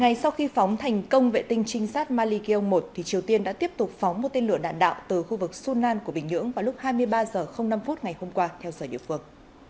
ngay sau khi phóng thành công vệ tinh trinh sát malikyo một triều tiên đã tiếp tục phóng một tên lửa đạn đạo từ khu vực sunan của bình nhưỡng vào lúc hai mươi ba h năm ngày hôm qua theo giờ địa phương